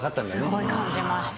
すごい感じました。